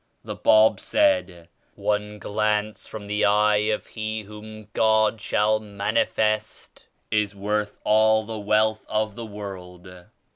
The Bab said 'One glance from the Eye of He whom God shall Manifest is worth all the wealth of the world.'